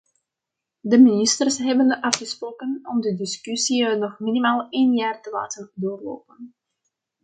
De ministers hebben afgesproken om de discussie nog minimaal een jaar te laten doorlopen.